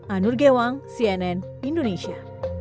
anur gewang cnn indonesia